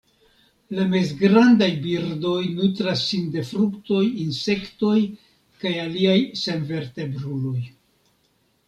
La mezgrandaj birdoj nutras sin de fruktoj, insektoj kaj aliaj senvertebruloj.